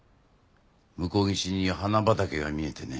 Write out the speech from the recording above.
向こう岸に花畑が見えてね。